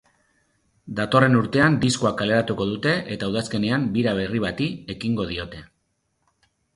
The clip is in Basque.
Datorren urtean diskoa kaleratuko dute eta udazkenean bira berri bati ekingo diote.